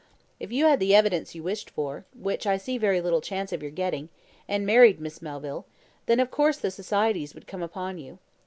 "If you had the evidence you wish for (which I see very little chance of your getting), and married Miss Melville, then, of course, the societies would come upon you.